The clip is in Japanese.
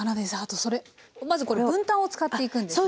それまずこれ文旦を使っていくんですね。